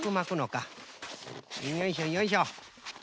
よいしょよいしょ。